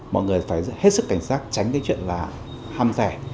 mọi người phải hết sức cảnh giác tránh cái chuyện là ham rẻ